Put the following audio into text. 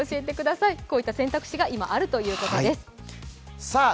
こういった選択肢が今、あるということです。